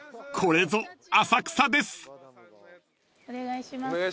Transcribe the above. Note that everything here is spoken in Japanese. ［これぞ浅草です］